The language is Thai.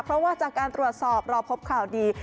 เพราะว่าจากการตรวจสอบเราพบข่าวดี